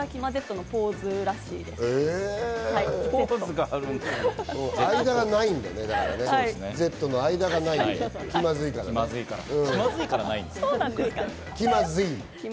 Ｚの間がないんだね、気まずいからね。